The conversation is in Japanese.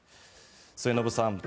末延さん